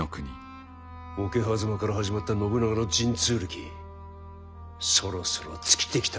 桶狭間から始まった信長の神通力そろそろ尽きてきた